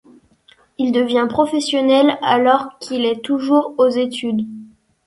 Il devient professionnel alors qu'il est toujours aux études.